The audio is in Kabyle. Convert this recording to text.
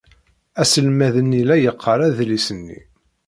Aselmad-nni la yeqqar adlis-nni.